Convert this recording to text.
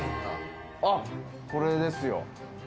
あっこれですよ。